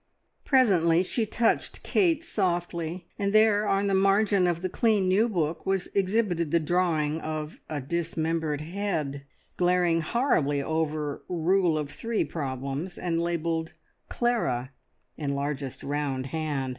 Presently she touched Kate softly, and there on the margin of the clean new book was exhibited the drawing of a dismembered head, glaring horribly over rule of three problems, and labelled "Clara" in largest round hand.